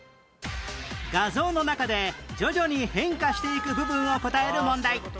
画像の中で徐々に変化していく部分を答える問題